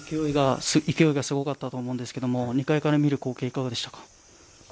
勢いがすごかったと思うんですが２階から見る光景いかがでしたか？